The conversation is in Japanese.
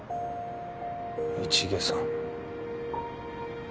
市毛さん。